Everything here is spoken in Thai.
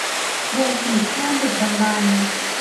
วงปี่พาทย์ดึกดำบรรพ์